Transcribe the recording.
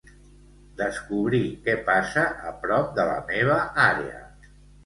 Descobrir què passa a prop de la meva àrea.